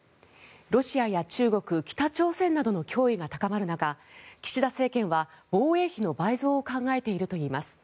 ロシアや中国、北朝鮮などの脅威が高まる中岸田政権は防衛費の倍増を考えているといいます。